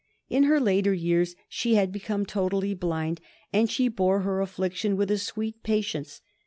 In her later years she had become totally blind, and she bore her affliction with a sweet patience.